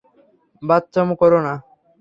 বাচ্চামো কোরো না।